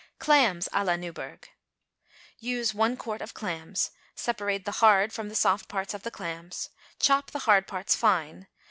=Clams à la Newburgh.= Use one quart of clams. Separate the hard from the soft parts of the clams. Chop the hard parts fine.